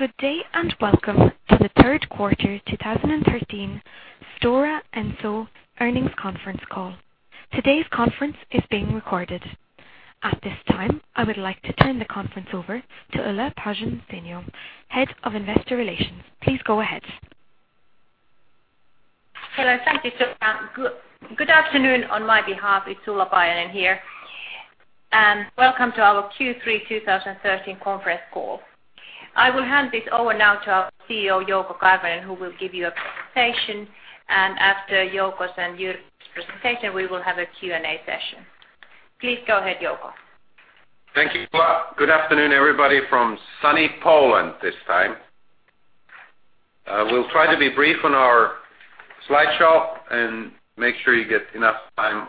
Good day, welcome to the third quarter 2013 Stora Enso earnings conference call. Today's conference is being recorded. At this time, I would like to turn the conference over to Ulla Paajanen-Sainio, Head of Investor Relations. Please go ahead. Hello. Good afternoon on my behalf. It's Ulla Paajanen here. Welcome to our Q3 2013 conference call. I will hand this over now to our CEO, Jouko Karvinen, who will give you a presentation. After Jouko's and Jyrki's presentation, we will have a Q&A session. Please go ahead, Jouko. Thank you. Good afternoon, everybody from sunny Poland this time. We'll try to be brief on our slideshow and make sure you get enough time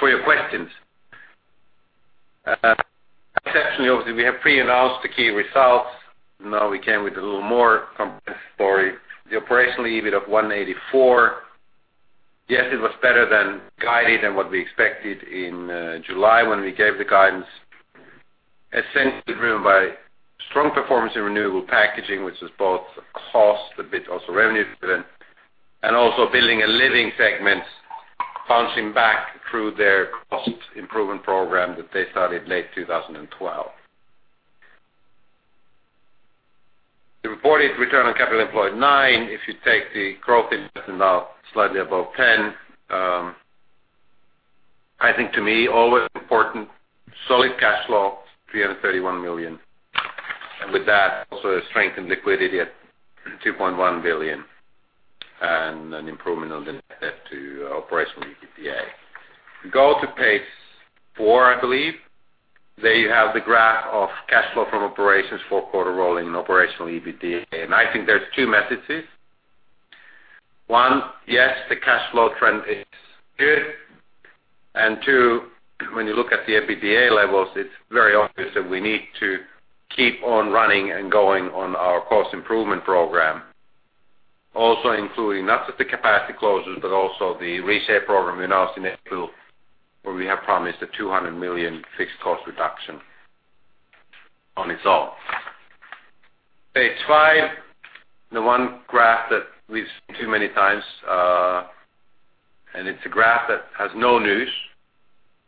for your questions. Exceptionally, obviously, we have pre-announced the key results. We came with a little more comprehensive story. The operational EBIT of 184. Yes, it was better than guided and what we expected in July when we gave the guidance. Essentially driven by strong performance in Renewable Packaging, which was both cost driven, also revenue driven. Also Building and Living segments bouncing back through their cost improvement program that they started late 2012. The reported return on capital employed, nine. If you take the growth investment now, slightly above 10. I think to me, always important, solid cash flow, 331 million. With that, also a strengthened liquidity at 2.1 billion. An improvement on the net debt to operational EBITDA. If we go to page four, I believe. There you have the graph of cash flow from operations for quarter rolling and operational EBITDA. I think there's two messages. One, yes, the cash flow trend is good. Two, when you look at the EBITDA levels, it's very obvious that we need to keep on running and going on our cost improvement program. Also including not just the capacity closures, but also the Reshape program we announced in April, where we have promised a 200 million fixed cost reduction on its own. Page five. The one graph that we've seen too many times, it's a graph that has no news.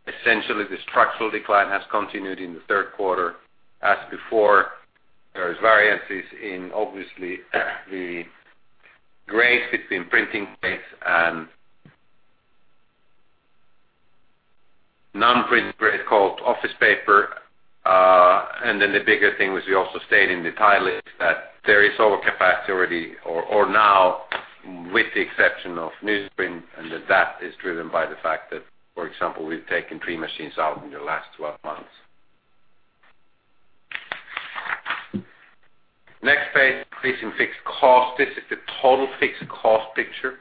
Essentially, the structural decline has continued in the third quarter. As before, there is variances in obviously the grade between printing grades and non-print grade called office paper. The bigger thing we also stated in the title is that there is overcapacity now with the exception of newsprint. That is driven by the fact that, for example, we've taken three machines out in the last 12 months. Next page, decreasing fixed cost. This is the total fixed cost picture.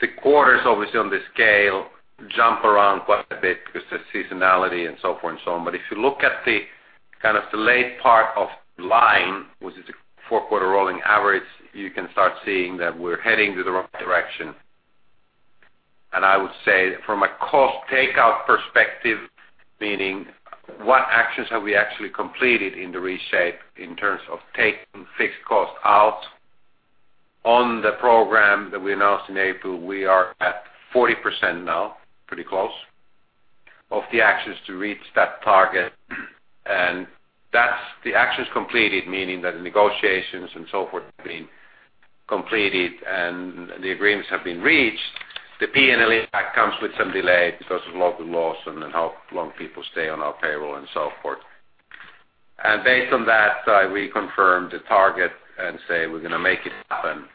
The quarters, obviously, on the scale jump around quite a bit because there's seasonality and so forth and so on. If you look at the late part of line, which is a four-quarter rolling average, you can start seeing that we're heading to the right direction. I would say from a cost takeout perspective, meaning what actions have we actually completed in the Reshape in terms of taking fixed cost out on the program that we announced in April, we are at 40% now, pretty close, of the actions to reach that target. That's the actions completed, meaning that the negotiations and so forth have been completed and the agreements have been reached. The P&L impact comes with some delay because of local laws and how long people stay on our payroll and so forth. Based on that, we confirm the target and say we're going to make it happen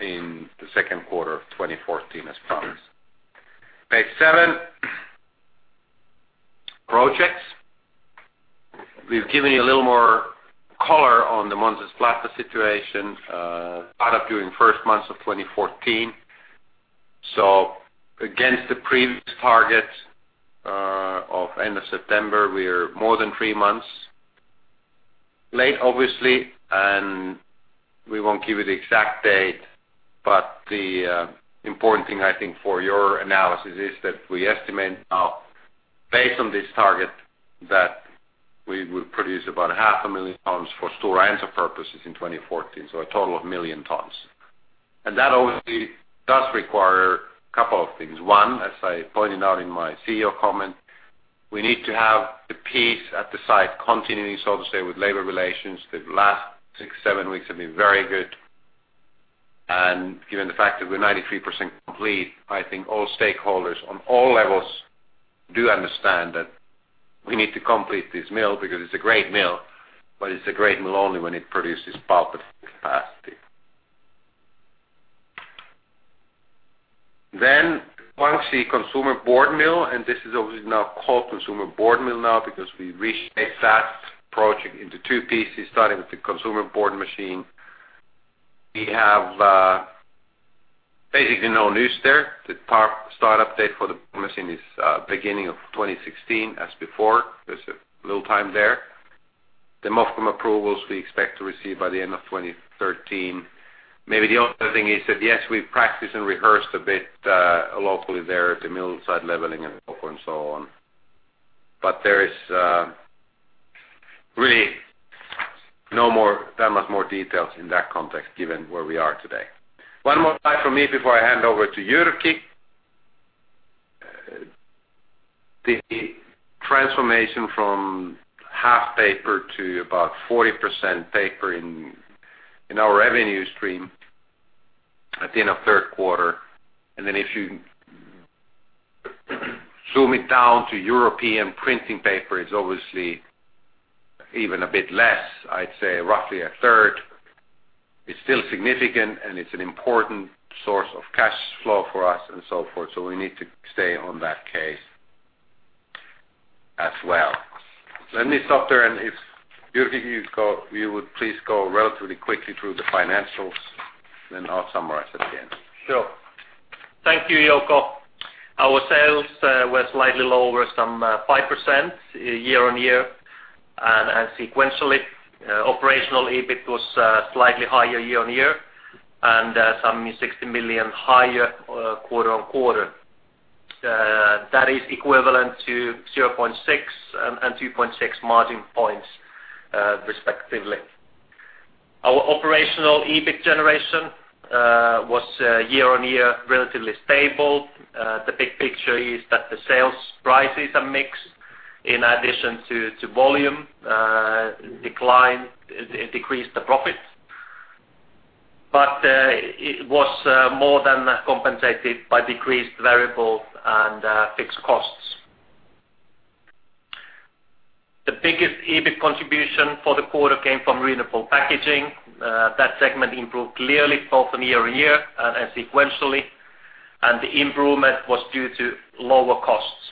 in the second quarter of 2014 as promised. Page seven. Projects. We've given you a little more color on the Mäntsälä situation. Start up during first months of 2014. Against the previous target of end of September, we're more than three months late, obviously, and we won't give you the exact date, but the important thing I think for your analysis is that we estimate now based on this target that we will produce about half a million tons for Stora Enso purposes in 2014. A total of a million tons. That obviously does require a couple of things. One, as I pointed out in my CEO comment, we need to have the peace at the site continuing, so to say, with labor relations. The last six, seven weeks have been very good. Given the fact that we're 93% complete, I think all stakeholders on all levels do understand that we need to complete this mill because it's a great mill, but it's a great mill only when it produces pulp at capacity. Guangxi Consumer Board Mill. This is obviously now called Consumer Board Mill because we reshaped that project into two pieces, starting with the Consumer Board machine. We have basically no news there. The start update for the machine is beginning of 2016 as before. There's a little time there. The MOFCOM approvals we expect to receive by the end of 2013. Maybe the other thing is that, yes, we've practiced and rehearsed a bit locally there at the mill site leveling and so forth and so on. There is really no more, that much more details in that context, given where we are today. One more slide from me before I hand over to Jyrki. The transformation from half paper to about 40% paper in our revenue stream at the end of third quarter. If you zoom it down to European printing paper, it's obviously even a bit less. I'd say roughly a third. It's still significant and it's an important source of cash flow for us and so forth. We need to stay on that case as well. Let me stop there and if, Jyrki, you would please go relatively quickly through the financials, I'll summarize at the end. Sure. Thank you, Jouko. Our sales were slightly lower, some 5% year-on-year and sequentially. Operational EBIT was slightly higher year-on-year and some 60 million higher quarter-on-quarter. That is equivalent to 0.6 and 2.6 margin points, respectively. Our operational EBIT generation was year-on-year relatively stable. The big picture is that the sales prices are mixed. In addition to volume decline, it decreased the profit. It was more than compensated by decreased variable and fixed costs. The biggest EBIT contribution for the quarter came from Renewable Packaging. That segment improved clearly both on year-on-year and sequentially, and the improvement was due to lower costs.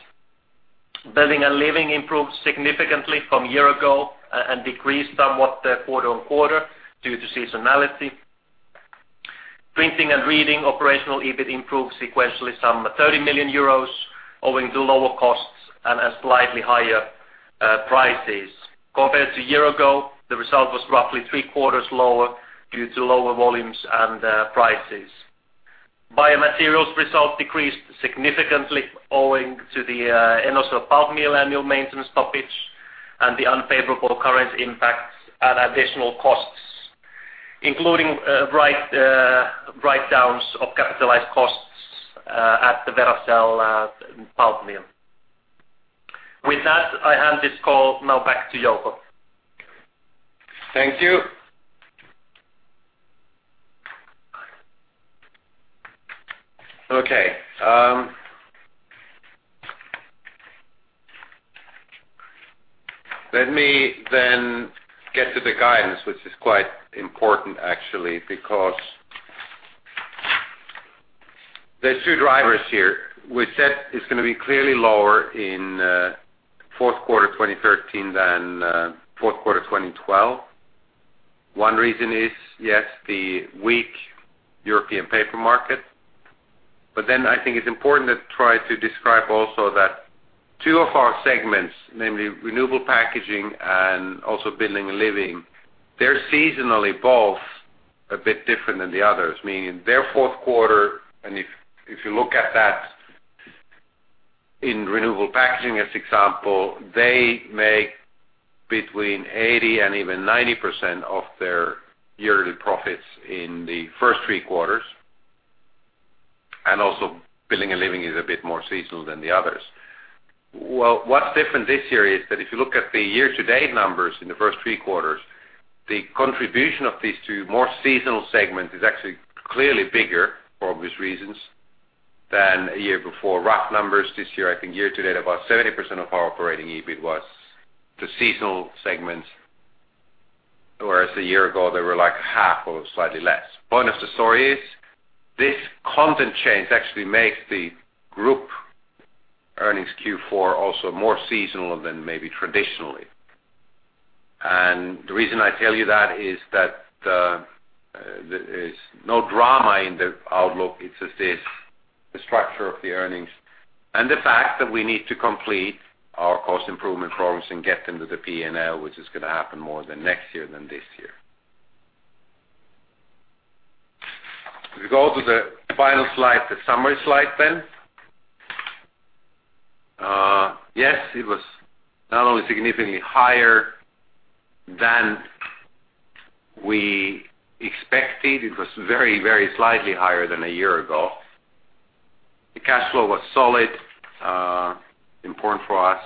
Building and Living improved significantly from a year ago and decreased somewhat quarter-on-quarter due to seasonality. Printing and Reading operational EBIT improved sequentially some 30 million euros owing to lower costs and slightly higher prices. Compared to a year ago, the result was roughly three-quarters lower due to lower volumes and prices. Biomaterials result decreased significantly owing to the Enocell mill annual maintenance stoppage and the unfavorable current impacts and additional costs, including write-downs of capitalized costs at the Veracel mill. With that, I hand this call now back to Jouko. Thank you. Okay. Let me get to the guidance, which is quite important actually, because there are two drivers here. We said it's going to be clearly lower in fourth quarter 2013 than fourth quarter 2012. One reason is, yes, the weak European paper market. I think it's important to try to describe also that two of our segments, namely Renewable Packaging and also Building and Living, they're seasonally both a bit different than the others. Meaning their fourth quarter, and if you look at that in Renewable Packaging as example, they make between 80% and even 90% of their yearly profits in the first three quarters, and also Building and Living is a bit more seasonal than the others. Well, what's different this year is that if you look at the year-to-date numbers in the first three quarters, the contribution of these two more seasonal segments is actually clearly bigger, for obvious reasons, than a year before. Rough numbers this year, I think year to date, about 70% of our operating EBIT was the seasonal segments. Whereas a year ago, they were like half or slightly less. Point of the story is this content change actually makes the group earnings Q4 also more seasonal than maybe traditionally. The reason I tell you that is that there is no drama in the outlook. It's as is. The structure of the earnings and the fact that we need to complete our cost improvement programs and get them to the P&L, which is going to happen more next year than this year. We go to the final slide, the summary slide then. Yes, it was not only significantly higher than we expected, it was very, very slightly higher than a year ago. The cash flow was solid, important for us.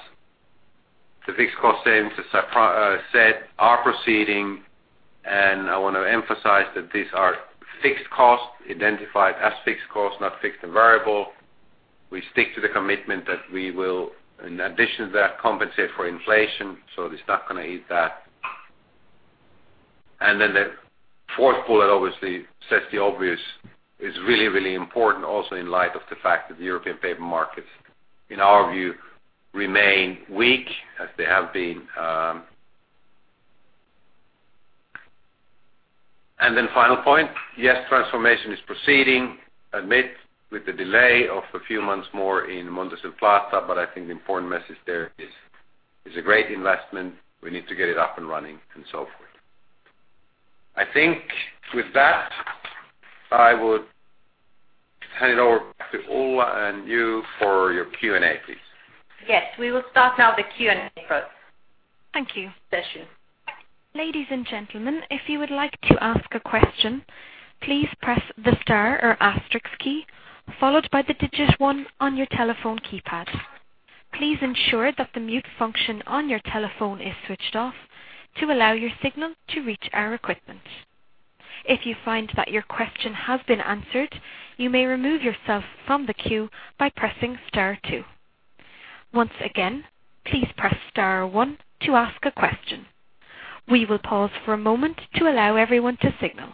The fixed cost savings, as said, are proceeding and I want to emphasize that these are fixed costs identified as fixed costs, not fixed and variable. We stick to the commitment that we will, in addition to that, compensate for inflation, so it's not going to eat that. The fourth bullet obviously says the obvious. It's really, really important also in light of the fact that the European paper markets, in our view, remain weak as they have been. Final point, yes, transformation is proceeding, admit with the delay of a few months more in Montes del Plata, but I think the important message there is a great investment. We need to get it up and running, and so forth. I think with that, I would hand it over back to Ulla and you for your Q&A, please. Yes, we will start now the Q&A. Thank you. Session. Ladies and gentlemen, if you would like to ask a question, please press the star or asterisk key, followed by the digit 1 on your telephone keypad. Please ensure that the mute function on your telephone is switched off to allow your signal to reach our equipment. If you find that your question has been answered, you may remove yourself from the queue by pressing star 2. Once again, please press star 1 to ask a question. We will pause for a moment to allow everyone to signal.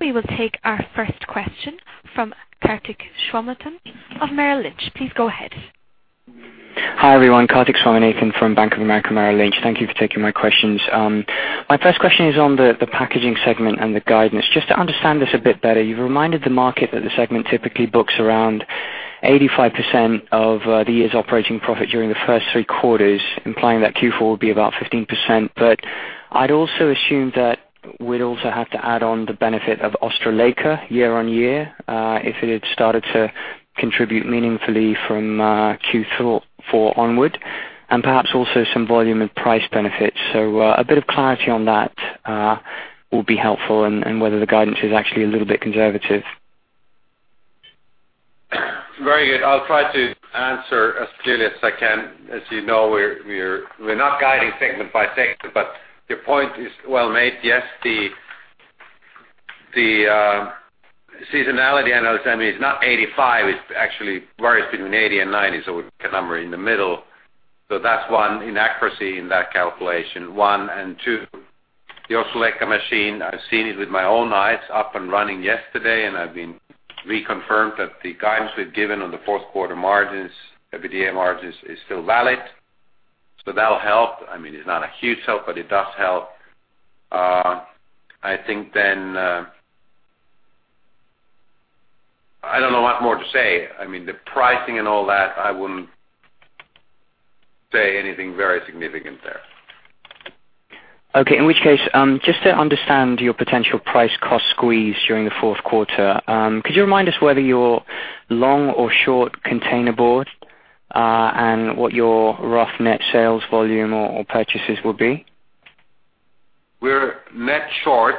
We will take our first question from Karthik Ramakrishnan of Merrill Lynch. Please go ahead. Hi, everyone. Karthik Ramakrishnan from Bank of America, Merrill Lynch. Thank you for taking my questions. My first question is on the Renewable Packaging segment and the guidance. To understand this a bit better, you've reminded the market that the segment typically books around 85% of the year's operating profit during the first 3 quarters, implying that Q4 will be about 15%. I'd also assumed that we'd also have to add on the benefit of Ostrołęka year-on-year, if it had started to contribute meaningfully from Q4 onward, and perhaps also some volume and price benefits. A bit of clarity on that will be helpful and whether the guidance is actually a little bit conservative. Very good. I'll try to answer as clearly as I can. As you know, we're not guiding segment by segment, but your point is well made. Yes, the seasonality analysis, I mean, it's not 85%, it actually varies between 80% and 90%, so a number in the middle. That's one inaccuracy in that calculation, one. Two, the Ostrołęka machine, I've seen it with my own eyes up and running yesterday, and I've been reconfirmed that the guidance we've given on the fourth quarter margins, EBITDA margins, is still valid. That'll help. I mean, it's not a huge help, but it does help. I think I don't know what more to say. I mean, the pricing and all that, I wouldn't say anything very significant there. Okay. In which case, just to understand your potential price cost squeeze during the fourth quarter, could you remind us whether you're long or short Containerboard, and what your rough net sales volume or purchases will be? We're net short.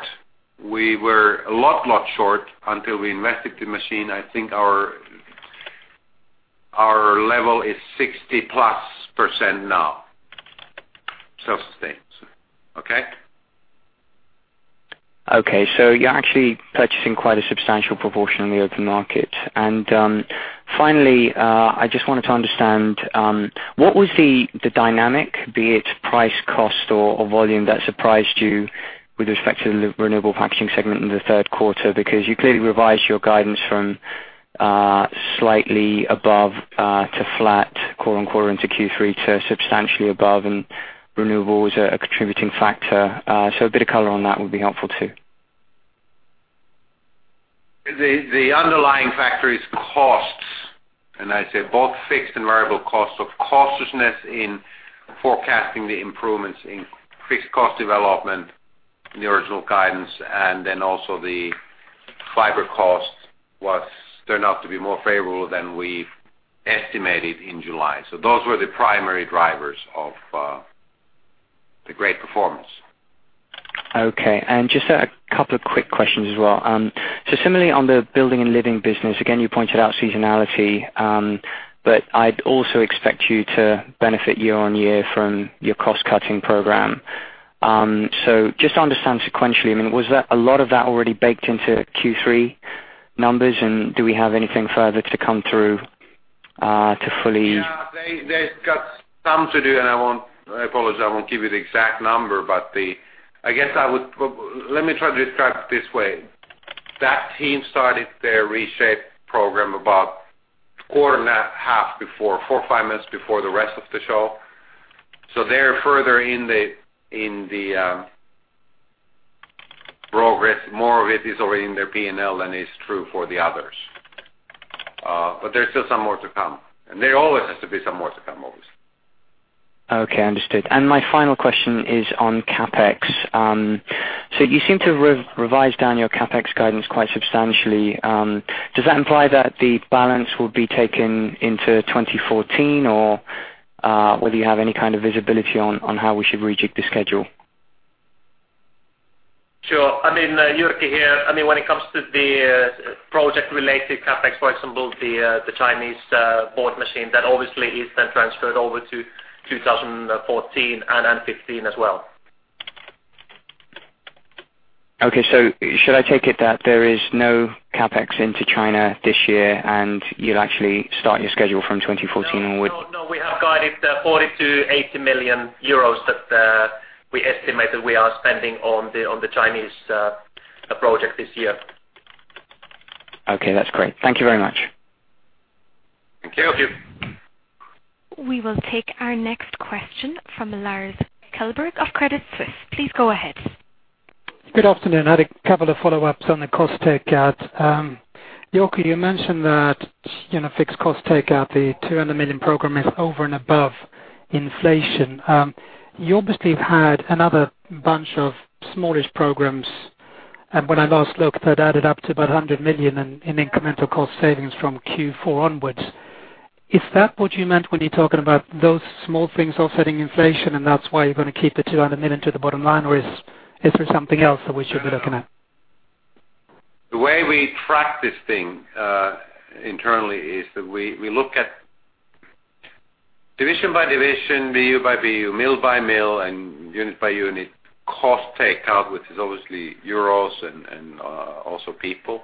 We were a lot short until we invested the machine. I think our level is 60-plus % now self-sustained. Okay? Okay. You're actually purchasing quite a substantial proportion on the open market. Finally, I just wanted to understand, what was the dynamic, be it price, cost, or volume, that surprised you with respect to the Renewable Packaging segment in the third quarter? Because you clearly revised your guidance from slightly above to flat quarter-on-quarter into Q3 to substantially above, and Renewable was a contributing factor. A bit of color on that would be helpful too. The underlying factor is costs, I'd say both fixed and variable costs of cautiousness in forecasting the improvements in fixed cost development in the original guidance, also the fiber cost turned out to be more favorable than we estimated in July. Those were the primary drivers of the great performance. Just a couple of quick questions as well. Similarly on the Building and Living business, again, you pointed out seasonality, but I'd also expect you to benefit year-on-year from your cost-cutting program. Just to understand sequentially, I mean, was a lot of that already baked into Q3 numbers? Do we have anything further to come through to fully- Yeah. They've got some to do, and I apologize, I won't give you the exact number, but I guess let me try to describe it this way. That team started their Reshape program about a quarter and a half before, four, five months before the rest of the show. They're further in the progress. More of it is already in their P&L than is true for the others. There's still some more to come. There always has to be some more to come, obviously. Okay, understood. My final question is on CapEx. You seem to have revised down your CapEx guidance quite substantially. Does that imply that the balance will be taken into 2014, or whether you have any kind of visibility on how we should rejig the schedule? Sure. Jyrki here. I mean, when it comes to the project-related CapEx, for example, the Chinese board machine, that obviously is then transferred over to 2014 and 2015 as well. Okay. Should I take it that there is no CapEx into China this year, and you'll actually start your schedule from 2014 onward? No, we have guided 40 million-80 million euros that we estimate that we are spending on the Chinese project this year. Okay, that's great. Thank you very much. Thank you. We will take our next question from Lars Kjellberg of Credit Suisse. Please go ahead. Good afternoon. I had a couple of follow-ups on the cost takeout. Jouko, you mentioned that fixed cost takeout, the 200 million program is over and above inflation. You obviously had another bunch of smallish programs, and when I last looked, that added up to about 100 million in incremental cost savings from Q4 onwards. Is that what you meant when you're talking about those small things offsetting inflation, and that's why you're going to keep the 200 million to the bottom line, or is there something else that we should be looking at? The way we track this thing internally is that we look at division by division, BU by BU, mill by mill, and unit by unit cost takeout, which is obviously EUR and also people.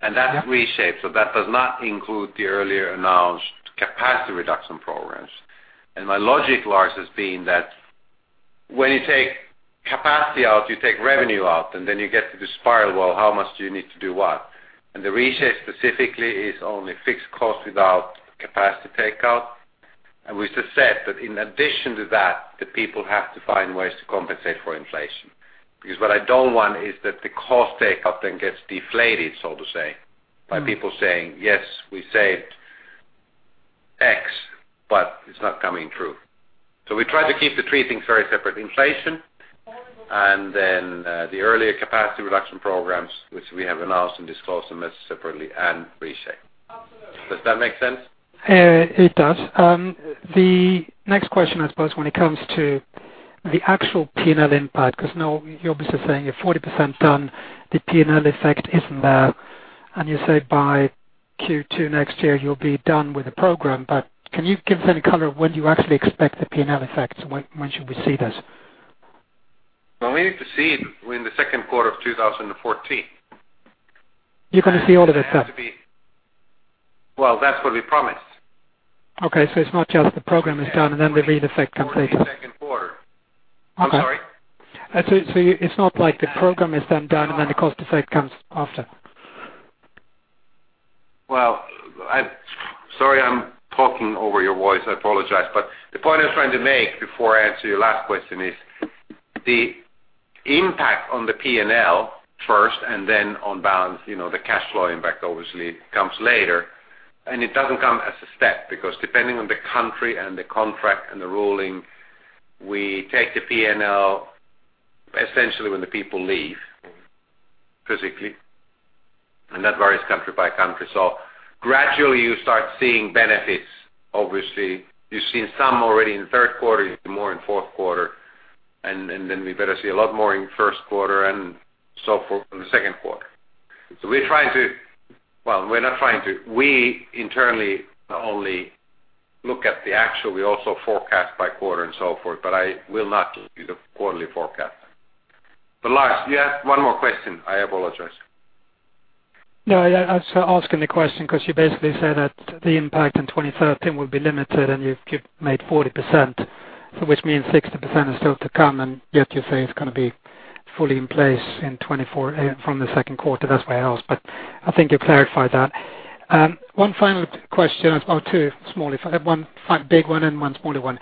That's Reshape. That does not include the earlier announced capacity reduction programs. My logic, Lars, has been that when you take capacity out, you take revenue out and then you get to this spiral, well, how much do you need to do what? The Reshape specifically is only fixed cost without capacity takeout. We just said that in addition to that, the people have to find ways to compensate for inflation. What I don't want is that the cost takeout then gets deflated, so to say, by people saying, "Yes, we saved X," but it's not coming true. We try to keep the three things very separate. Inflation, and then the earlier capacity reduction programs, which we have announced and disclosed and separately, and Reshape. Does that make sense? It does. The next question, I suppose, when it comes to the actual P&L impact, because now you're obviously saying you're 40% done, the P&L effect isn't there, and you say by Q2 next year, you'll be done with the program. Can you give us any color of when you actually expect the P&L effects? When should we see this? Well, we need to see it in the second quarter of 2014. You're going to see all of this then? Well, that's what we promised. Okay. It's not just the program is done and then the lead effect comes later. Second quarter. I'm sorry? It's not like the program is then done and then the cost effect comes after. Well, sorry, I'm talking over your voice. I apologize, the point I was trying to make before I answer your last question is the impact on the P&L first and then on balance, the cash flow impact obviously comes later, and it doesn't come as a step because depending on the country and the contract and the ruling, we take the P&L essentially when the people leave, physically, and that varies country by country. Gradually you start seeing benefits. Obviously, you've seen some already in the third quarter, more in the fourth quarter, and then we better see a lot more in first quarter and so forth in the second quarter. We internally not only look at the actual, we also forecast by quarter and so forth, but I will not give you the quarterly forecast. Lars, you had one more question, I apologize. No, I was asking the question because you basically said that the impact in 2013 will be limited and you've made 40%, which means 60% is still to come, yet you say it's going to be fully in place from the second quarter. That's why I asked, but I think you clarified that. One final question, or two. One big one and one smaller one.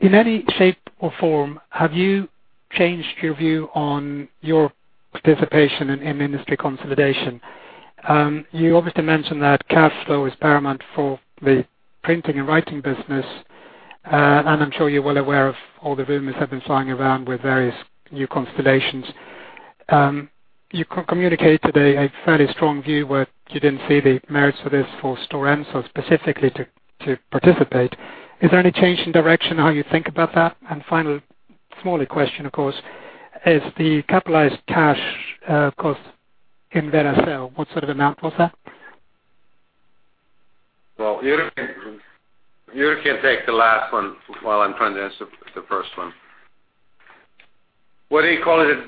In any shape or form, have you changed your view on your participation in industry consolidation? You obviously mentioned that cash flow is paramount for the Printing and Reading business, and I'm sure you're well aware of all the rumors have been flying around with various new constellations. You communicated a fairly strong view where you didn't see the merits for this for Stora Enso specifically to participate. Is there any change in direction how you think about that? Final, smaller question, of course, is the capitalized cash cost in Veracel, what sort of amount was that? Well, Jyrki can take the last one while I'm trying to answer the first one. Whether you call it a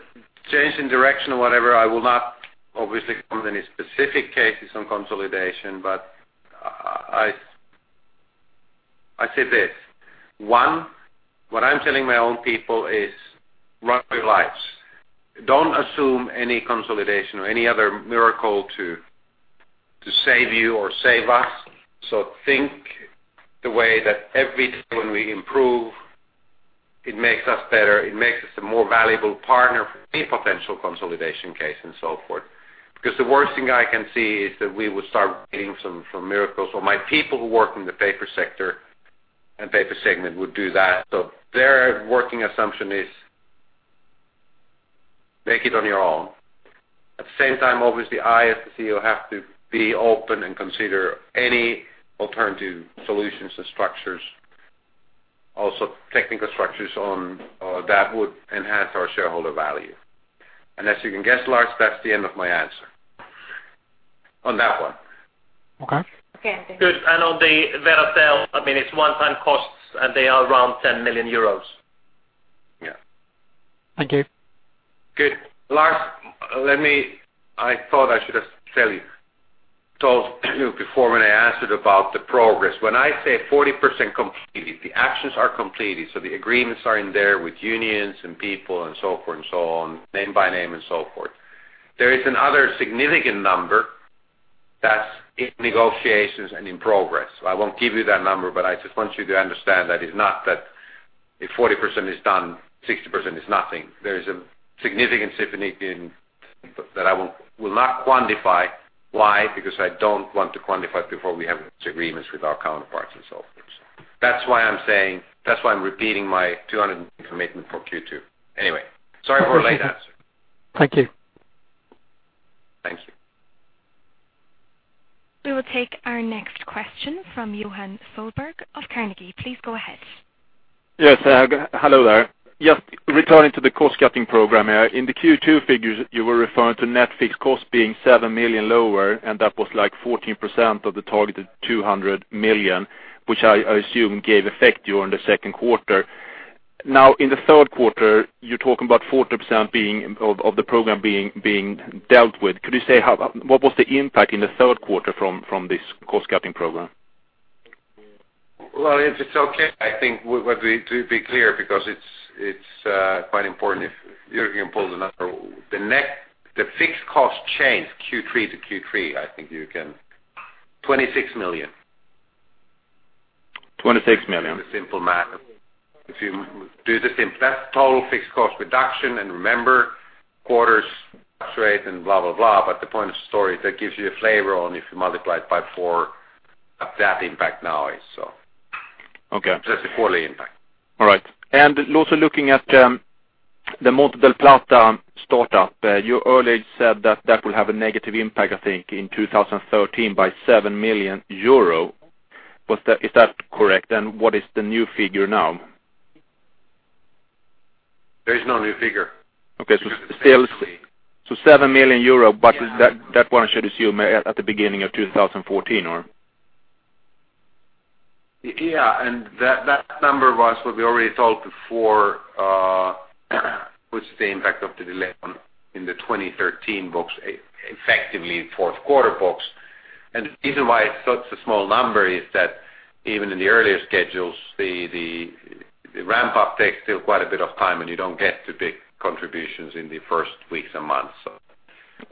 change in direction or whatever, I will not obviously comment any specific cases on consolidation, but I say this. One, what I'm telling my own people is run your lives. Don't assume any consolidation or any other miracle to save you or save us. Think the way that every day when we improve, it makes us better, it makes us a more valuable partner for any potential consolidation case and so forth. Because the worst thing I can see is that we would start waiting for miracles or my people who work in the paper sector and paper segment would do that. Their working assumption is, make it on your own. At the same time, obviously, I, as the CEO, have to be open and consider any alternative solutions and structures, also technical structures that would enhance our shareholder value. As you can guess, Lars, that's the end of my answer on that one. Okay. Okay. Good. On the Veracel, I mean, it's one-time costs and they are around 10 million euros. Yeah. Thank you. Good. Lars, I thought I should have told you before when I answered about the progress. When I say 40% completed, the actions are completed, the agreements are in there with unions and people and so forth and so on, name by name and so forth. There is another significant number that's in negotiations and in progress. I won't give you that number, but I just want you to understand that if 40% is done, 60% is nothing. There is a significant [symphony] that I will not quantify. Why? I don't want to quantify it before we have these agreements with our counterparts and so forth. That's why I'm repeating my 200 commitment for Q2. Sorry for a late answer. Thank you. Thank you. We will take our next question from Johan Sjöberg of Carnegie. Please go ahead. Yes. Hello there. Just returning to the cost-cutting program. In the Q2 figures, you were referring to net fixed cost being 7 million lower, and that was like 14% of the targeted 200 million, which I assume gave effect during the second quarter. Now, in the third quarter, you're talking about 40% of the program being dealt with. Could you say what was the impact in the third quarter from this cost-cutting program? Well, if it's okay, I think to be clear, because it's quite important if you can pull the number. The fixed cost change Q3 to Q3, I think you can, 26 million. 26 million. Do the simple math. That's total fixed cost reduction. Remember, quarters, rate and blah, blah. The point of the story, that gives you a flavor on if you multiply it by 4, of that impact now is so. Okay. Just a quarterly impact. All right. Also looking at the Montes del Plata startup. You earlier said that that will have a negative impact, I think, in 2013 by 7 million euro. Is that correct? What is the new figure now? There is no new figure. Okay. 7 million euro, that one should assume at the beginning of 2014 or? Yeah. That number was what we already told before, which is the impact of the delay on in the 2013 books, effectively fourth quarter books. The reason why it's such a small number is that even in the earlier schedules, the ramp up takes still quite a bit of time, and you don't get to big contributions in the first weeks and months.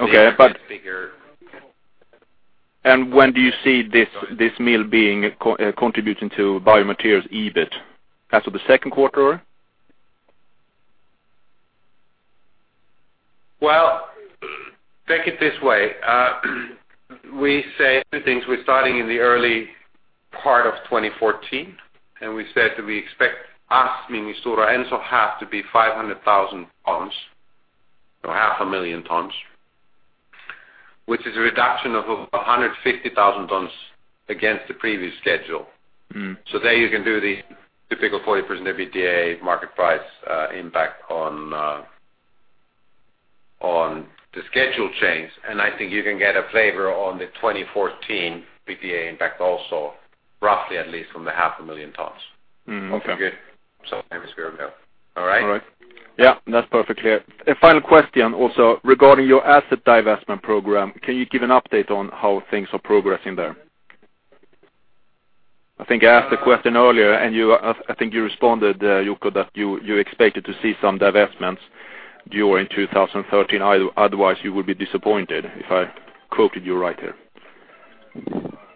Okay. When do you see this mill being contributing to Biomaterials EBIT? As of the second quarter? Take it this way. We say a few things. We're starting in the early part of 2014, we said that we expect us, meaning Stora Enso, half to be 500,000 tons, or half a million tons, which is a reduction of 150,000 tons against the previous schedule. There you can do the typical 40% EBITDA market price impact on the schedule change. I think you can get a flavor on the 2014 EBITDA impact also, roughly at least from the half a million tons. Okay. There we go. All right? All right. Yeah, that's perfectly clear. A final question also regarding your asset divestment program. Can you give an update on how things are progressing there? I think I asked the question earlier, and I think you responded, Jouko, that you expected to see some divestments during 2013. Otherwise, you would be disappointed, if I quoted you right there.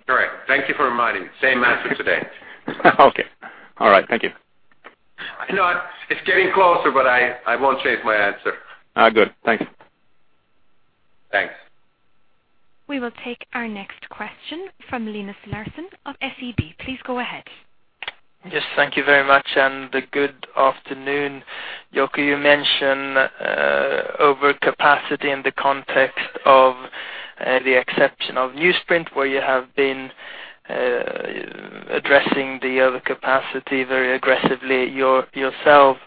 Correct. Thank you for reminding me. Same answer today. Okay. All right. Thank you. It's getting closer, but I won't change my answer. Good. Thanks. Thanks. We will take our next question from Linus Larsson of SEB. Please go ahead. Thank you very much, and good afternoon. Jouko, you mentioned overcapacity in the context of the exception of newsprint, where you have been addressing the overcapacity very aggressively yourself.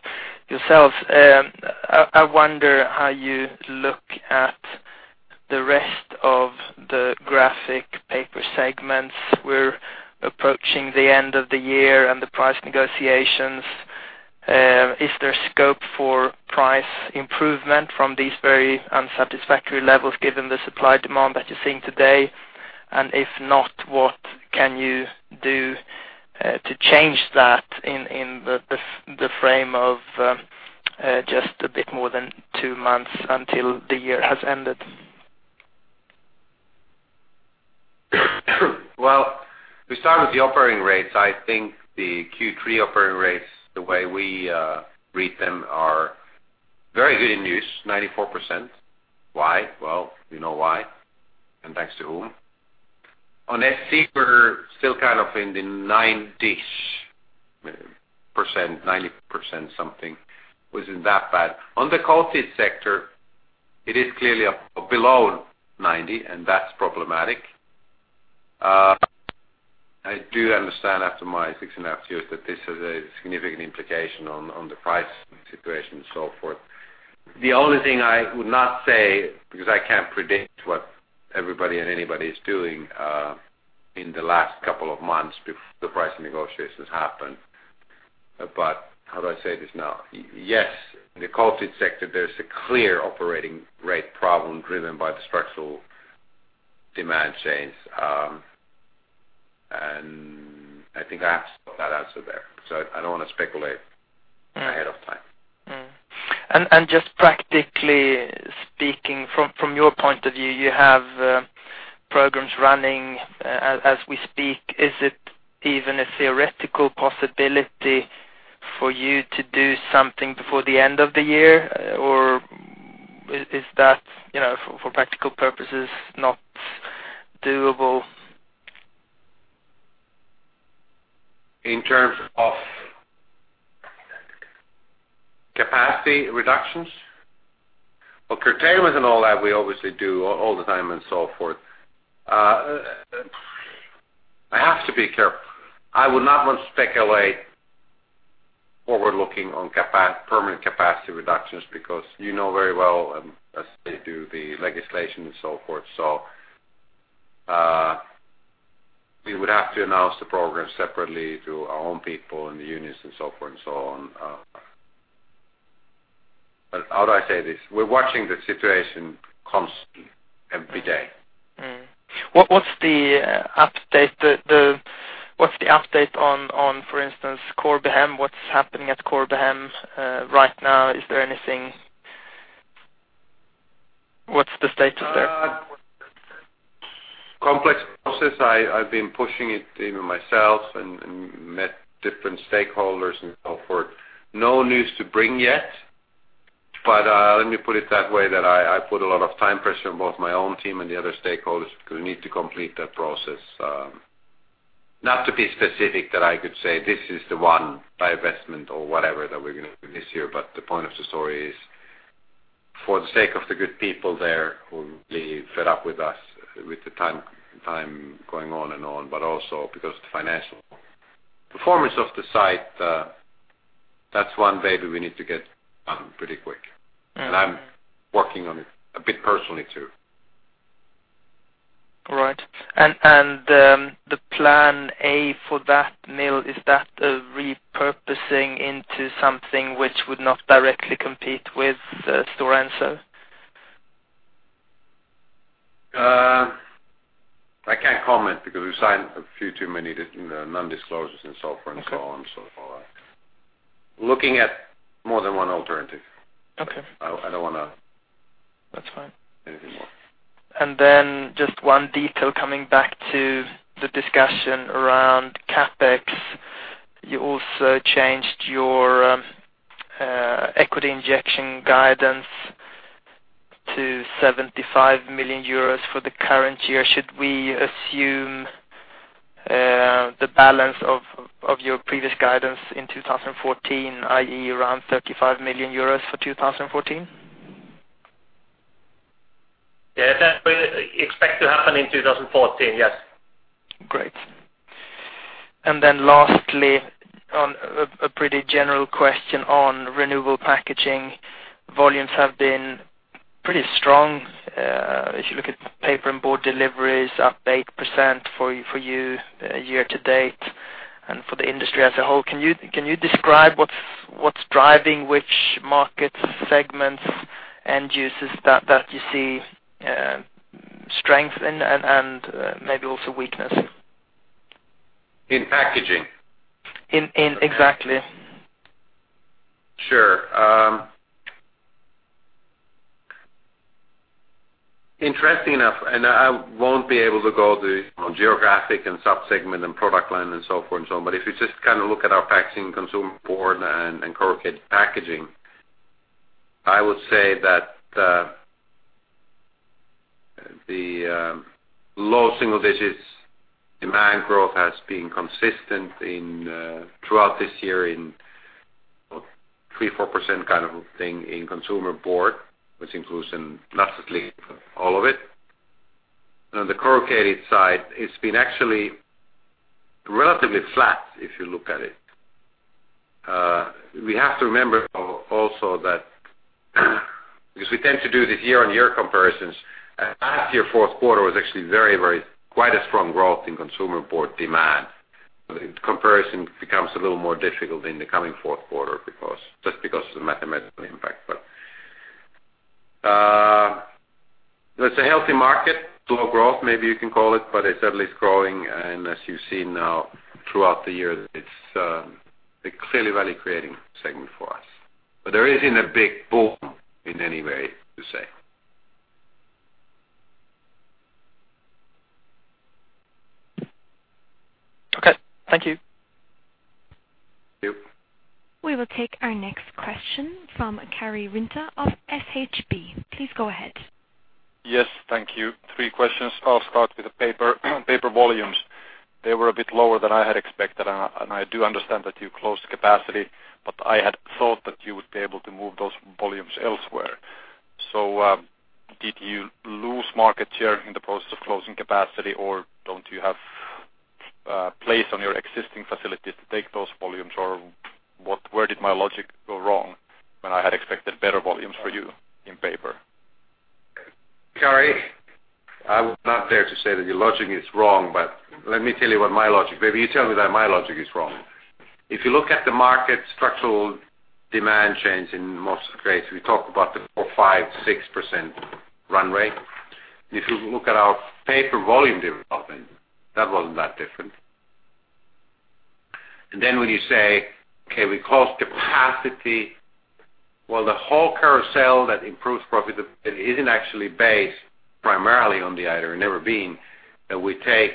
I wonder how you look at the rest of the graphic paper segments. We're approaching the end of the year and the price negotiations. If not, what can you do to change that in the frame of just a bit more than two months until the year has ended? We start with the operating rates. I think the Q3 operating rates, the way we read them, are very good news, 94%. Why? You know why, and thanks to whom. On FC, we're still kind of in the nine-ish percent, 90% something, which isn't that bad. On the coated sector, it is clearly below 90, and that's problematic. I do understand after my six and a half years that this has a significant implication on the price situation and so forth. The only thing I would not say, because I can't predict what everybody and anybody is doing in the last couple of months before the pricing negotiations happen. How do I say this now? In the coated sector, there's a clear operating rate problem driven by the structural demand change. I think I have that answer there. I don't want to speculate ahead of time. Just practically speaking, from your point of view, you have programs running as we speak. Is it even a theoretical possibility for you to do something before the end of the year, or is that, for practical purposes, not doable? In terms of capacity reductions? Well, curtailments and all that we obviously do all the time and so forth. I have to be careful. I would not want to speculate forward-looking on permanent capacity reductions, because you know very well, as they do the legislation and so forth. We would have to announce the program separately to our own people and the unions and so forth and so on. How do I say this? We're watching the situation constantly, every day. What's the update on, for instance, Corbehem? What's happening at Corbehem right now? Is there anything? What's the status there? Complex process. I've been pushing it even myself and met different stakeholders and so forth. No news to bring yet. Let me put it that way, that I put a lot of time pressure on both my own team and the other stakeholders, because we need to complete that process. Not to be specific that I could say this is the one divestment or whatever that we're going to do this year. The point of the story is, for the sake of the good people there who may be fed up with us, with the time going on and on, but also because of the financial performance of the site, that's one baby we need to get done pretty quick. I'm working on it a bit personally, too. Right. The plan A for that mill, is that a repurposing into something which would not directly compete with Stora Enso? I can't comment because we've signed a few too many non-disclosures and so forth and so on. Okay. Looking at more than one alternative. Okay. I don't want to- That's fine say anything more. Just one detail coming back to the discussion around CapEx. You also changed your equity injection guidance to 75 million euros for the current year. Should we assume the balance of your previous guidance in 2014, i.e., around 35 million euros for 2014? Yes, that we expect to happen in 2014. Yes. Great. Lastly, on a pretty general question on Renewable Packaging. Volumes have been pretty strong. If you look at paper and board deliveries up 8% for you year-to-date and for the industry as a whole. Can you describe what's driving which market segments, end uses that you see strength in, and maybe also weakness? In packaging? Exactly. Sure. Interesting enough, I won't be able to go the geographic and sub-segment and product line and so forth and so on, but if you just look at our packaging Consumer Board and Corrugated packaging, I would say that the low single digits demand growth has been consistent throughout this year in 3%-4% kind of a thing in Consumer Board, which includes, not necessarily all of it. On the corrugated side, it's been actually relatively flat if you look at it. We have to remember also that because we tend to do the year-over-year comparisons, last year fourth quarter was actually quite a strong growth in Consumer Board demand. The comparison becomes a little more difficult in the coming fourth quarter just because of the mathematical impact. It's a healthy market. Slow growth, maybe you can call it, but it's at least growing. As you've seen now throughout the year, it's a clearly value creating segment for us. There isn't a big boom in any way to say. Okay. Thank you. Thank you. We will take our next question from Karri Rinta of SHB. Please go ahead. Yes. Thank you. Three questions. I'll start with the paper. Paper volumes. They were a bit lower than I had expected, and I do understand that you closed the capacity, but I had thought that you would be able to move those volumes elsewhere. Did you lose market share in the process of closing capacity, or don't you have place on your existing facilities to take those volumes? Where did my logic go wrong when I had expected better volumes for you in paper? Karri, I would not dare to say that your logic is wrong, but let me tell you what my logic is. Maybe you tell me that my logic is wrong. If you look at the market structural demand change in most cases, we talk about the four, five, 6% runway. If you look at our paper volume development, that wasn't that different. When you say, okay, we close capacity, well, the whole carousel that improves profitability isn't actually based primarily on the idea of that we take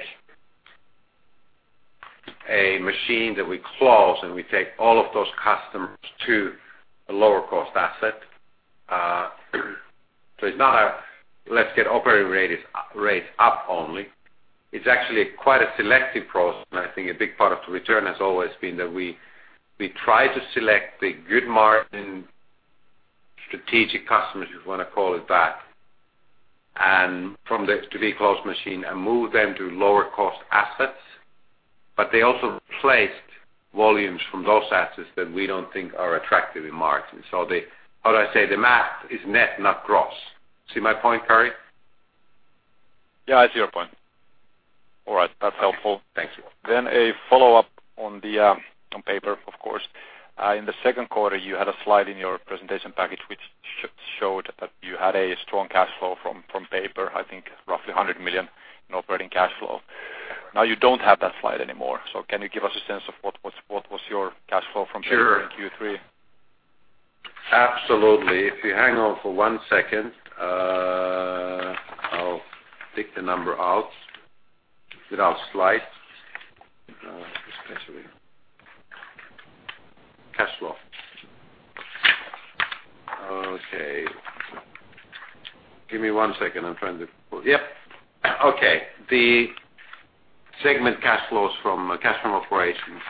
a machine that we close, and we take all of those customers to a lower cost asset. It's not a, "Let's get operating rates up only." It's actually quite a selective process. I think a big part of the return has always been that we try to select the good margin, strategic customers, if you want to call it that, and from the to-be-closed machine and move them to lower cost assets. They also replaced volumes from those assets that we don't think are attractive in margin. How do I say? The math is net, not gross. See my point, Karri? Yeah, I see your point. All right. That's helpful. Thank you. A follow-up on paper, of course. In the second quarter, you had a slide in your presentation package, which showed that you had a strong cash flow from paper, I think roughly 100 million in operating cash flow. You don't have that slide anymore. Can you give us a sense of what was your cash flow from paper- Sure in Q3? Absolutely. If you hang on for one second, I'll pick the number out without slides. Cash flow. Okay. Give me one second. I'm trying to pull. Yep. Okay. The segment cash flows from cash from operations.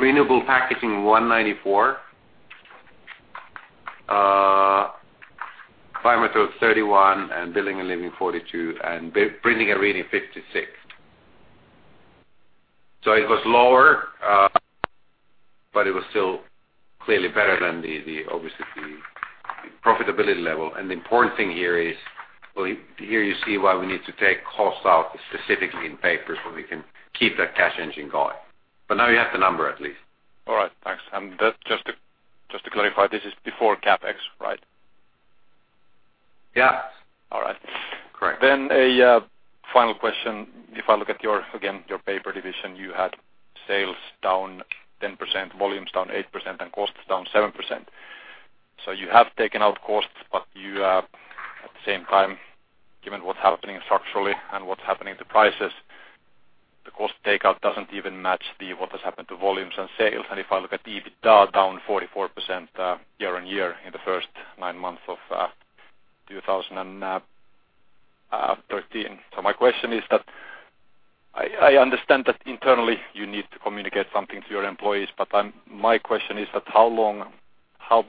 Renewable Packaging, 194. Biomaterials, 31, and Building and Living, 42, and Printing and Reading, 56. It was lower, but it was still clearly better than, obviously, the profitability level. The important thing here is, well, here you see why we need to take costs out, specifically in paper, so we can keep that cash engine going. Now you have the number at least. All right. Thanks. Just to clarify, this is before CapEx, right? Yeah. All right. Correct. A final question. If I look at, again, your paper division, you had sales down 10%, volumes down 8%, and costs down 7%. You have taken out costs, but at the same time, given what's happening structurally and what's happening to prices, the cost takeout doesn't even match what has happened to volumes and sales. If I look at EBITDA, down 44% year-on-year in the first nine months of 2013. My question is that I understand that internally you need to communicate something to your employees, but my question is that how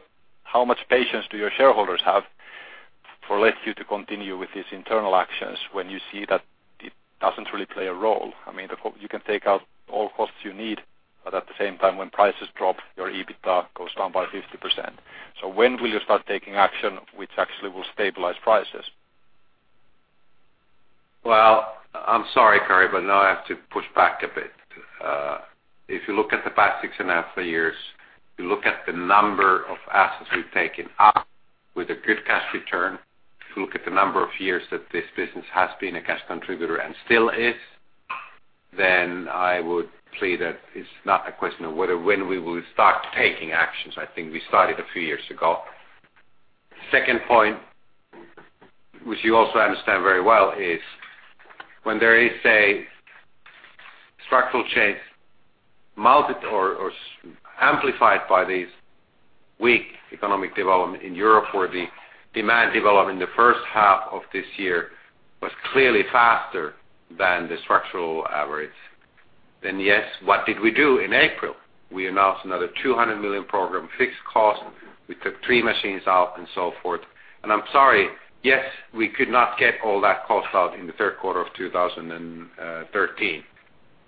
much patience do your shareholders have for let you to continue with these internal actions when you see that it doesn't really play a role? You can take out all costs you need, but at the same time, when prices drop, your EBITDA goes down by 50%. When will you start taking action which actually will stabilize prices? I'm sorry, Karri, but now I have to push back a bit. If you look at the past six and a half years, you look at the number of assets we've taken out with a good cash return. If you look at the number of years that this business has been a cash contributor and still is, then I would plea that it's not a question of when we will start taking actions. I think we started a few years ago. Second point, which you also understand very well is when there is a structural change amplified by this weak economic development in Europe, where the demand development in the first half of this year was clearly faster than the structural average, then yes. What did we do? In April, we announced another 200 million program, fixed cost. We took three machines out and so forth. I'm sorry. Yes, we could not get all that cost out in the third quarter of 2013.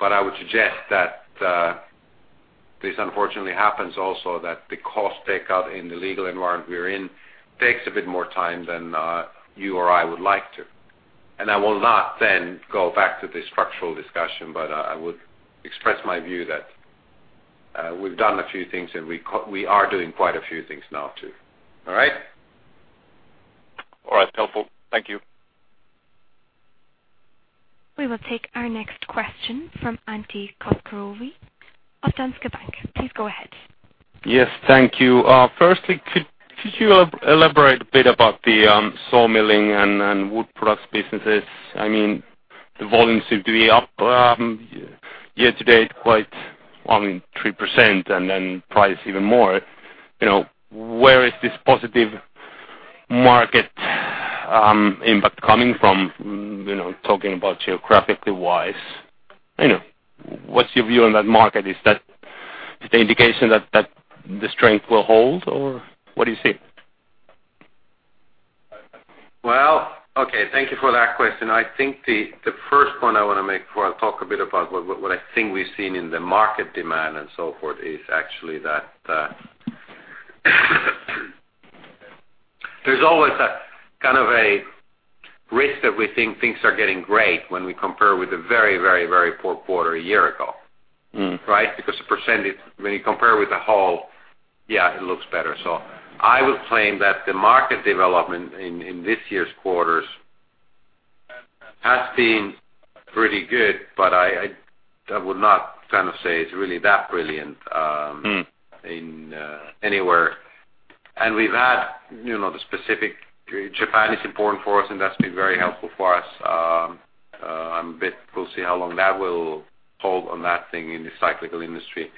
I would suggest that this unfortunately happens also that the cost takeout in the legal environment we're in takes a bit more time than you or I would like to. I will not then go back to the structural discussion, but I would express my view that we've done a few things, and we are doing quite a few things now, too. All right? All right. Helpful. Thank you. We will take our next question from Antti Kosvikuori of Danske Bank. Please go ahead. Yes. Thank you. Firstly, could you elaborate a bit about the saw milling and wood products businesses? The volumes seem to be up year-to-date quite, I mean, 3% and then price even more. Where is this positive market impact coming from? Talking about geographically wise. What's your view on that market? Is that the indication that the strength will hold, or what do you see? Well, okay. Thank you for that question. I think the first point I want to make before I talk a bit about what I think we've seen in the market demand and so forth is actually that there's always a kind of a Risk that we think things are getting great when we compare with a very poor quarter a year ago. Right? Because the percentage, when you compare with the whole, yeah, it looks better. I would claim that the market development in this year's quarters has been pretty good, I would not say it's really that brilliant. We've had the specific Japan is important for us, and that's been very helpful for us. We'll see how long that will hold on that thing in the cyclical industry.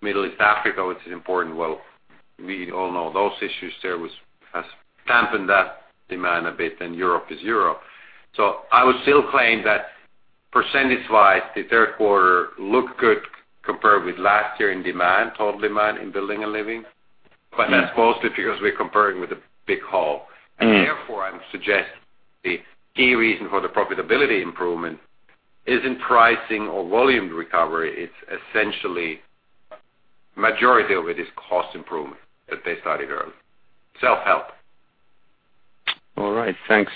Middle East, Africa, which is important. We all know those issues there has dampened that demand a bit, and Europe is Europe. I would still claim that percentage-wise, the third quarter looked good compared with last year in demand, total demand in Building and Living. That's mostly because we're comparing with a big haul. Therefore, I would suggest the key reason for the profitability improvement is in pricing or volume recovery, it's essentially majority of it is cost improvement that they started early. Self-help. All right, thanks.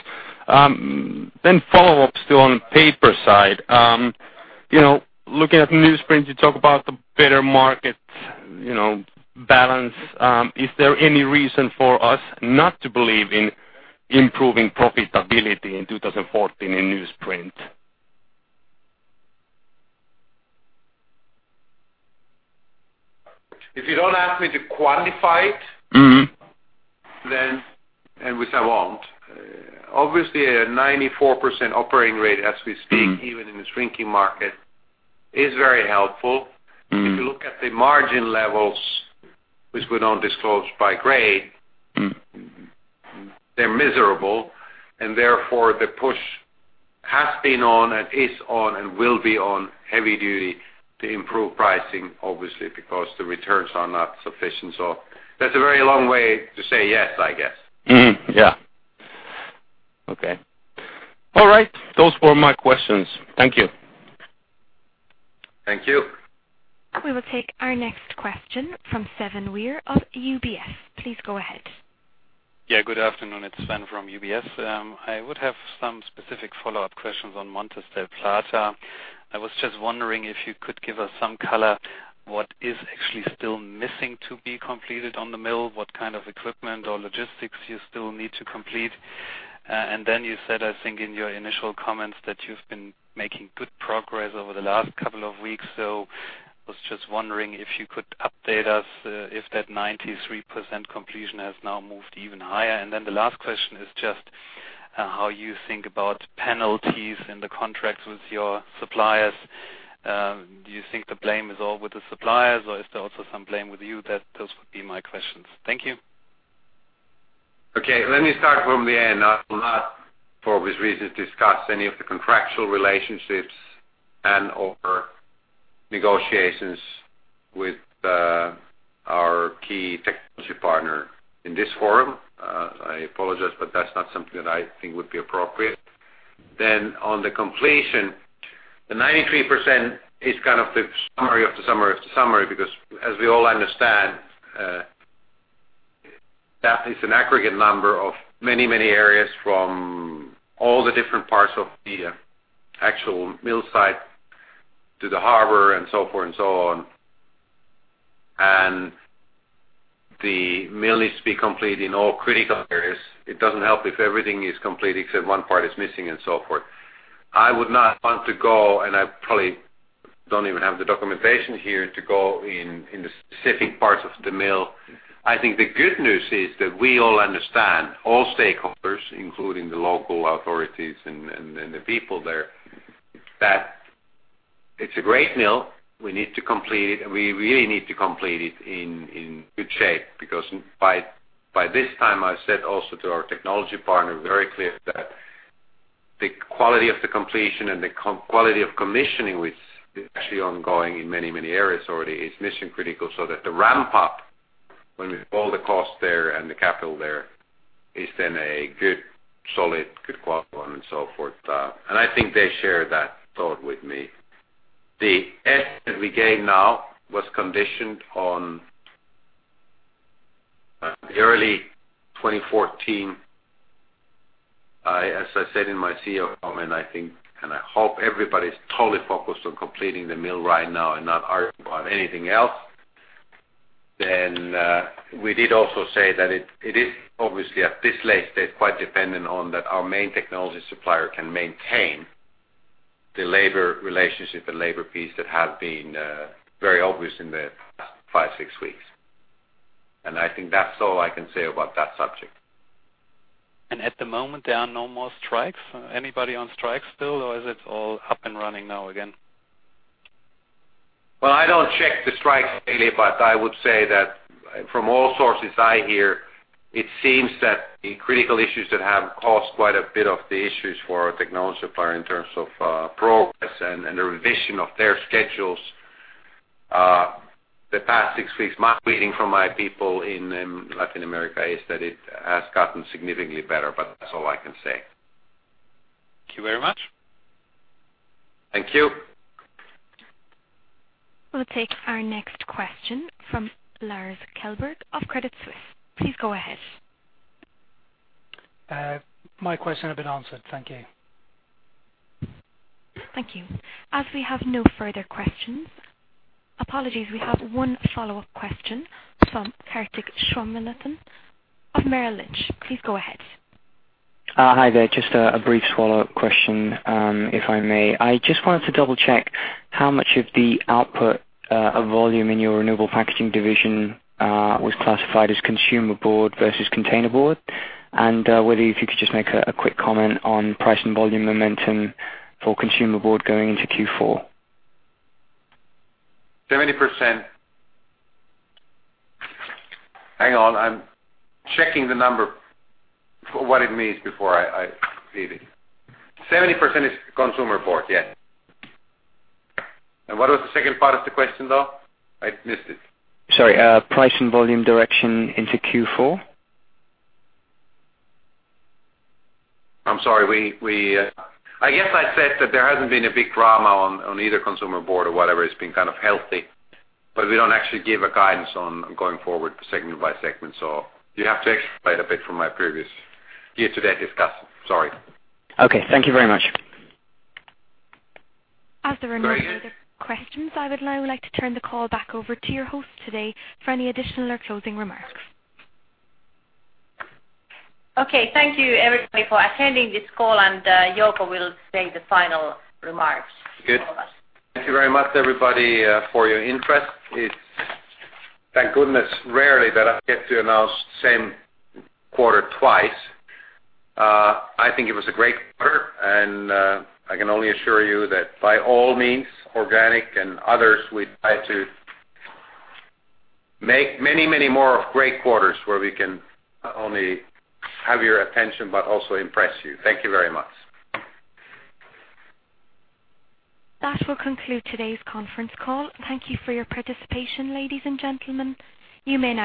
Follow-up still on paper side. Looking at newsprint, you talk about the better market balance. Is there any reason for us not to believe in improving profitability in 2014 in newsprint? If you don't ask me to quantify it- Which I won't. Obviously, a 94% operating rate as we speak, even in a shrinking market, is very helpful. If you look at the margin levels, which we don't disclose by grade- They're miserable. Therefore, the push has been on and is on and will be on heavy duty to improve pricing, obviously, because the returns are not sufficient. That's a very long way to say yes, I guess. Mm-hmm. Yeah. Okay. All right. Those were my questions. Thank you. Thank you. We will take our next question from Sven Weier of UBS. Please go ahead. Good afternoon. It's Sven from UBS. I would have some specific follow-up questions on Montes del Plata. I was just wondering if you could give us some color, what is actually still missing to be completed on the mill? What kind of equipment or logistics you still need to complete? Then you said, I think in your initial comments, that you've been making good progress over the last couple of weeks. I was just wondering if you could update us, if that 93% completion has now moved even higher. Then the last question is just how you think about penalties in the contracts with your suppliers. Do you think the blame is all with the suppliers, or is there also some blame with you? Those would be my questions. Thank you. Okay. Let me start from the end. I will not, for obvious reasons, discuss any of the contractual relationships and/or negotiations with our key technology partner in this forum. I apologize, but that's not something that I think would be appropriate. On the completion, the 93% is the summary of the summary because as we all understand, that is an aggregate number of many areas from all the different parts of the actual mill site to the harbor and so forth and so on. The mill needs to be complete in all critical areas. It doesn't help if everything is complete except one part is missing and so forth. I would not want to go, and I probably don't even have the documentation here to go in the specific parts of the mill. I think the good news is that we all understand, all stakeholders, including the local authorities and the people there, that it's a great mill. We need to complete it. We really need to complete it in good shape because by this time, I've said also to our technology partner very clear that the quality of the completion and the quality of commissioning, which is actually ongoing in many areas already, is mission-critical so that the ramp-up with all the cost there and the capital there is then a good, solid, good quality one and so forth. I think they share that thought with me. The estimate we gave now was conditioned on early 2014. As I said in my CEO comment, I think, and I hope everybody's totally focused on completing the mill right now and not argue about anything else. We did also say that it is obviously at this late stage quite dependent on that our main technology supplier can maintain the labor relationship, the labor peace that have been very obvious in the past five, six weeks. I think that's all I can say about that subject. At the moment, there are no more strikes? Anybody on strike still, or is it all up and running now again? Well, I don't check the strikes daily, but I would say that from all sources I hear, it seems that the critical issues that have caused quite a bit of the issues for our technology supplier in terms of progress and the revision of their schedules the past six weeks. My reading from my people in Latin America is that it has gotten significantly better, but that's all I can say. Thank you very much. Thank you. We'll take our next question from Lars Kjellberg of Credit Suisse. Please go ahead. My question has been answered. Thank you. Thank you. As we have no further questions. Apologies, we have one follow-up question from Kartik Ramakrishnan of Merrill Lynch. Please go ahead. Hi there. Just a brief follow-up question, if I may. I just wanted to double-check how much of the output of volume in your Renewable Packaging division was classified as Consumer Board versus Containerboard, and whether you could just make a quick comment on price and volume momentum for Consumer Board going into Q4. 70%. Hang on. I'm checking the number for what it means before I read it. 70% is Consumer Board. Yes. What was the second part of the question, though? I missed it. Sorry. Price and volume direction into Q4. I'm sorry. I guess I said that there hasn't been a big drama on either Consumer Board or whatever. It's been kind of healthy. We don't actually give a guidance on going forward segment by segment. You have to extrapolate a bit from my previous here today discussion. Sorry. Okay. Thank you very much. As there are no further questions, I would now like to turn the call back over to your host today for any additional or closing remarks. Okay. Thank you everybody for attending this call, Jouko will say the final remarks for us. Good. Thank you very much, everybody, for your interest. It's, thank goodness, rare that I get to announce the same quarter twice. I think it was a great quarter, I can only assure you that by all means, organic and others, we try to make many more great quarters where we can not only have your attention but also impress you. Thank you very much. That will conclude today's conference call. Thank you for your participation, ladies and gentlemen. You may now disconnect.